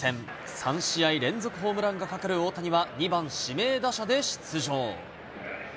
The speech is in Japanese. ３試合連続ホームランがかかる大谷は２番指名打者で出場。